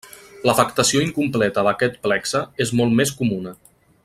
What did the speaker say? L'afectació incompleta d'aquest plexe és molt més comuna.